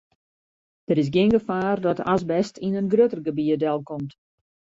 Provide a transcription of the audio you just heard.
Der is gjin gefaar dat de asbest yn in grutter gebiet delkomt.